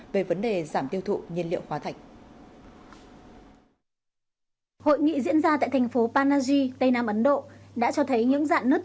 hội nghị diễn ra tại thành phố panaji tây nam ấn độ đã cho thấy những dạng nứt